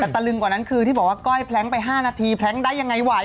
แต่ตะลึงกว่านั้นคือที่บอกว่าก้อยแพล้งไป๕นาทีแพล้งได้ยังไงไหว